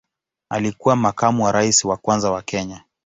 Alikuwa makamu wa rais wa kwanza wa Kenya.